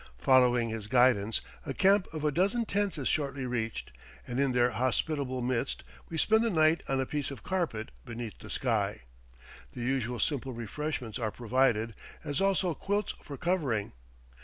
Following his guidance, a camp of a dozen tents is shortly reached, and in their hospitable midst we spend the night on a piece of carpet beneath the sky. The usual simple refreshments are provided, as also quilts for covering.